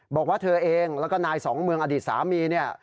บอกว่าเธอเองแล้วก็นายสองเมืองอดีตสามีเนี่ย